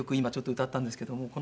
今ちょっと歌ったんですけども